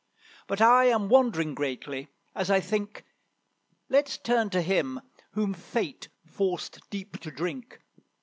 But I am wandering greatly, as I think, Let's turn to him whom Fate forced deep to drink.